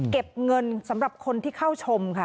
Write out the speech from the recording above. เก็บเงินสำหรับคนที่เข้าชมค่ะ